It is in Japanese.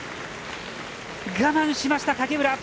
我慢しました、影浦。